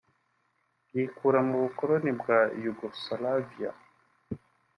byikura mu bukoloni bwa Yugoslavia